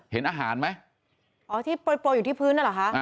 เห็นอาหารไหมอ๋อที่โปรยอยู่ที่พื้นนั่นเหรอคะ